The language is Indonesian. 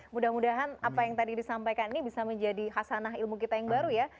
mudah mudahan apa yang tadi disampaikan ini bisa menjadi hasanah ilmu kita yang baru ya